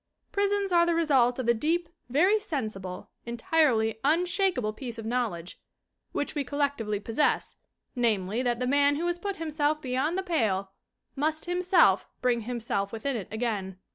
Prisons are the result of a deep, very sensible, entirely unshakeable piece of knowledge which we collectively possess, namely, that the man who has put himself beyond the pale ALICE BROWN 17 must himself bring himself within it again.